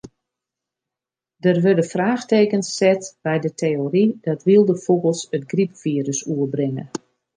Der wurde fraachtekens set by de teory dat wylde fûgels it grypfirus oerbringe.